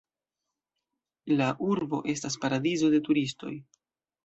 La urbo estas paradizo de turistoj.